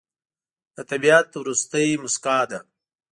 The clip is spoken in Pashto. د طبیعت وروستی موسکا ده